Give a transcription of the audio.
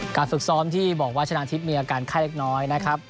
ฝึกซ้อมที่บอกว่าชนะทิพย์มีอาการไข้เล็กน้อยนะครับ